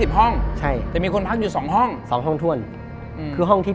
ผมจำไม่ได้ว่าชั้น๖หรือชั้น๘